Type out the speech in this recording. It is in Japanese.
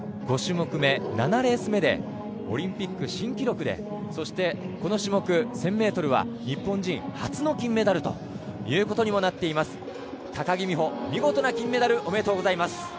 ５種目め７レース目でオリンピック新記録でそしてこの種目、１０００ｍは日本人初の金メダルということにもなっています。